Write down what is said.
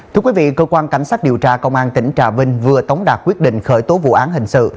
thưa quý vị cơ quan cảnh sát điều tra công an tỉnh trà vinh vừa tống đạt quyết định khởi tố vụ án hình sự